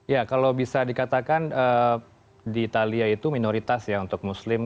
ya kalau bisa dikatakan di italia itu minoritas ya untuk muslim